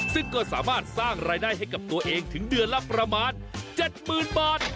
ซึ่งก็สามารถสร้างรายได้ให้กับตัวเองถึงเดือนละประมาณ๗๐๐๐บาท